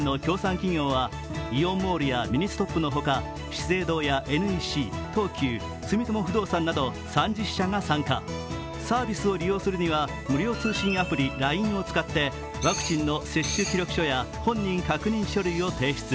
企業はイオンモールやミニストップの他、資生堂やＮＥＣ、東急、住友不動産など３０社が参加、サービスを利用するには無料通信アプリＬＩＮＥを使ってワクチンの接記録書や本人確認書類を提出。